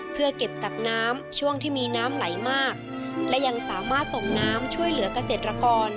เพื่อเก็บตักน้ำช่วงที่มีน้ำไหลมากและยังสามารถส่งน้ำช่วยเหลือกเกษตรกร